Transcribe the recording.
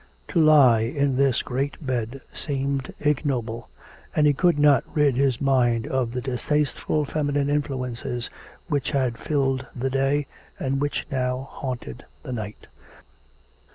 To lie in this great bed seemed ignoble; and he could not rid his mind of the distasteful feminine influences which had filled the day, and which now haunted the night.